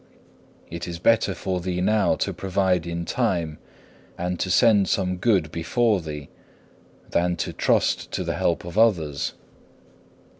It is better for thee now to provide in time, and to send some good before thee, than to trust to the help of others.